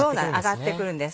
上がってくるんです。